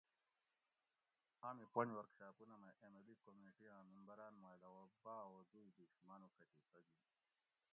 آمی پُنج ورکشاپونہ مئ ایم ایل ای کمیٹی آں ممبران ما علاوہ باہ او دوئ بیش مانوڄہ حصہ گِن